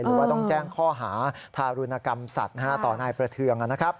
หรือว่าต้องแจ้งข้อหาทารุณกรรมสัตว์ต่อนายประเทือง